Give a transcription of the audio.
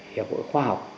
hiệp hội khoa học